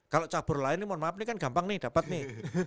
kalau cabur lain ini mohon maaf ini kan gampang nih dapat nih